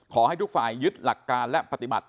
ขอให้ทุกฝ่ายยึดหลักการและปฏิบัติ